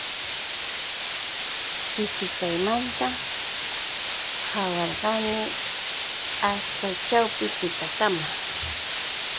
Chishikaymanta awarqani asta ćhawpi tutakama.